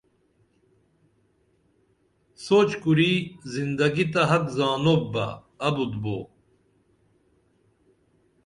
سوچ کُری زندگی تہ حق زانوپ بہ ابُت بو